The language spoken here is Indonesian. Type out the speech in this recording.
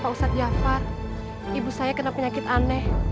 pak ustadz jafar ibu saya kena penyakit aneh